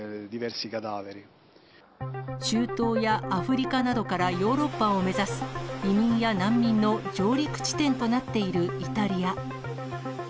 中東やアフリカなどからヨーロッパを目指す移民や難民の上陸地点となっているイタリア。